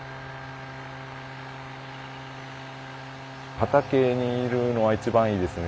畑にいるのは一番いいですね。